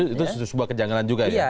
itu sebuah kejanggalan juga ya